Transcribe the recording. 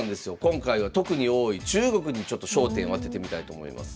今回は特に多い中国にちょっと焦点を当ててみたいと思います。